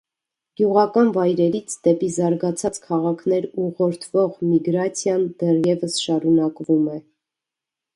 Գյուղական վայրերից դեպի զարգացած քաղաքներ ուղղորդվող միգրացիան դեռևս շարունակվում է։